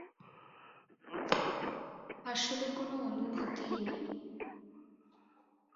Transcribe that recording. আসলে কোন অনুভূতিই নেই।